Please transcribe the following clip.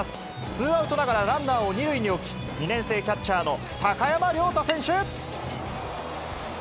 ツーアウトながら、ランナーを２塁に置き、２年生キャッチャーの高山亮太選手。